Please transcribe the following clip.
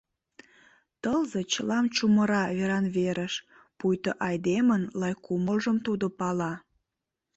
Тылзе чылам чумыра веран-верыш, Пуйто айдемын лай кумылжым тудо пала.